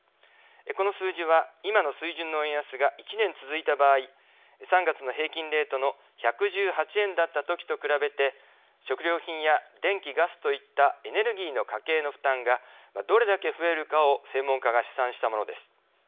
この数字は、今の水準の円安が１年続いた場合３月の平均レートの１１８円だったときと比べて食料品や電気・ガスといったエネルギーの家計の負担がどれだけ増えるかを専門家が試算したものです。